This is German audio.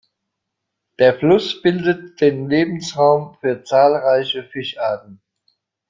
Der Fluss bildet den Lebensraum für zahlreiche Fischarten.